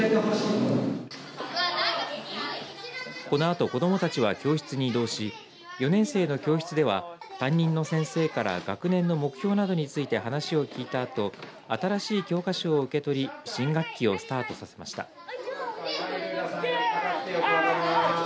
このあと子どもたちは教室に移動し４年生の教室では担任の先生から学年の目標などについて話を聞いたあと新しい教科書を受け取り新学期をスタートさせました。